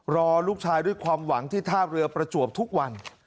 รอลูกชายด้วยความหวังที่ท่าเรือประจวบทุกวัน